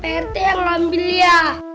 sebenarnya pak rt yang ngambilnya